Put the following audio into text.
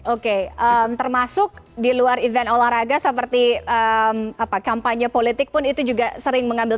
oke termasuk di luar event olahraga seperti kampanye politik pun itu juga sering mengambil